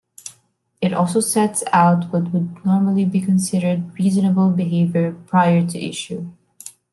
It also sets out what would normally be considered reasonable behaviour prior to issue.